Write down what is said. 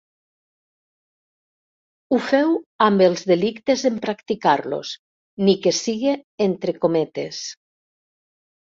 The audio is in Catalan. Ho féu amb els delictes en practicar-los, ni qui sigui entre cometes.